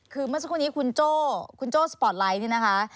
คือเมื่อสักครู่นี้คุณโจ้คุณโจ้สปอร์ตไลท์นี่นะคะ